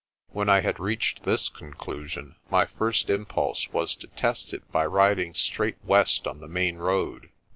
When I had reached this conclusion, my first impulse was to test it by riding straight west on the main road.